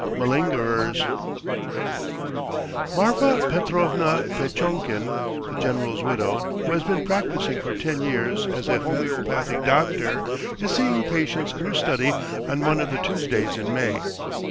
MALINGERERS MARFA PETROVNA PETCHONKIN, the General's widow, who has been practising for ten years as a homeopathic doctor, is seeing patients in her study on one of the Tuesdays in May.